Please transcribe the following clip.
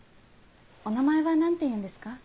お名前は何ていうんですか？